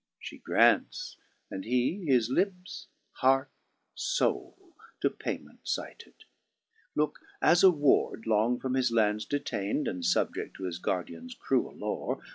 She grants ; and he his lips, heart, foule, to payment cited* Look as a ward, long from his lands detained. And fubjeft to his guardians cruel lore.